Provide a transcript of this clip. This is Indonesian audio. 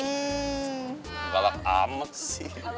hmm balak amat sih